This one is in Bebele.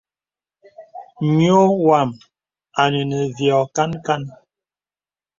Nyɔ̄ wàm ɔ̀nə nə v yɔ̄ kan kan.